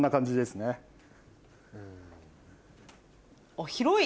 あっ広い！